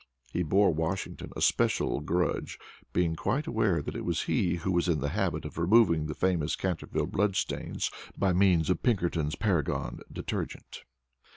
He bore Washington a special grudge, being quite aware that it was he who was in the habit of removing the famous Canterville blood stain by means of Pinkerton's Paragon Detergent.